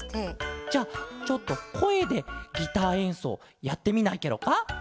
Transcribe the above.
じゃあちょっとこえでギターえんそうやってみないケロか？